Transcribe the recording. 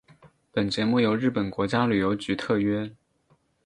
本节目由日本国家旅游局特约。